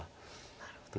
なるほど。